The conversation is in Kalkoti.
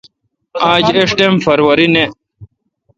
آج ایݭٹم فروری نہ۔